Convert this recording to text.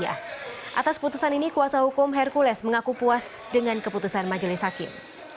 atas putusan ini kuasa hukum hercules mengaku puas dengan keputusan majelis hakim